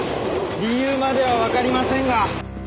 理由まではわかりませんが。